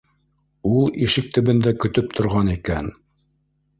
Ул ишек төбөндә көтөп торған икән.